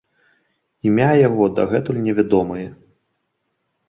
Імя яго дагэтуль невядомае.